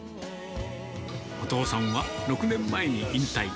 お父さんは６年前に引退。